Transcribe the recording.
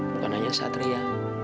bukan hanya satria